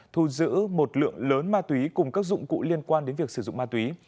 thu giữ một lượng lớn ma túy cùng các dụng cụ liên quan đến việc sử dụng ma túy